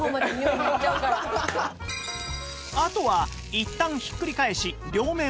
あとはいったんひっくり返し両面を焼くだけ